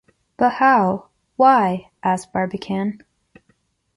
But how? why? Asked Barbicane.